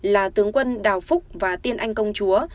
là tướng quân đào phúc và tiên anh công chúa